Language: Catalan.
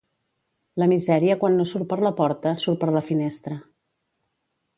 La misèria quan no surt per la porta, surt per la finestra.